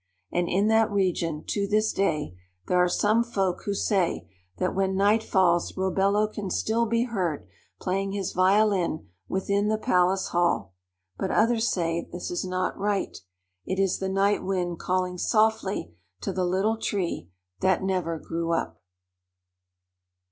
And in that region, to this day, there are some folk who say that when night falls Robello can still be heard playing his violin within the palace hall; but others say this is not right; it is the Night Wind calling softly to the Little Tree that never grew up.